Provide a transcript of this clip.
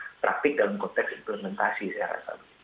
karena praktik dalam konteks implementasi saya rasa